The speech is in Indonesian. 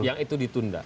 yang itu ditunda